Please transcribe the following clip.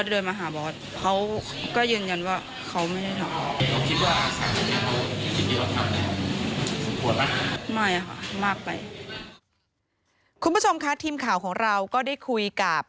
ทีมข่าวของเราก็ได้คุยกับ